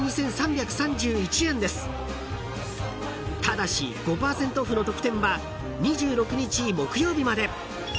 ［ただし５％オフの特典は２６日木曜日まで］